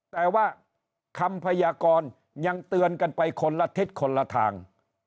แต่ว่าคำพยากรยังเตือนกันไปคนละทิศคนละทาง